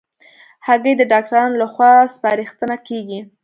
هګۍ د ډاکټرانو له خوا سپارښتنه کېږي.